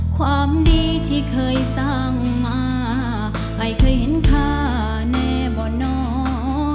ความดีที่เคยสร้างมาให้เคยเห็นค่าแน่บ่อนอ